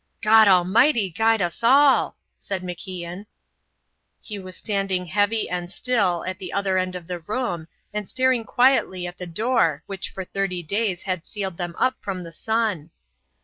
"God Almighty guide us all!" said MacIan. He was standing heavy and still at the other end of the room and staring quietly at the door which for thirty days had sealed them up from the sun.